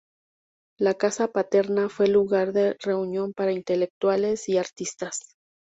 La casa paterna fue lugar de reunión para intelectuales y artistas.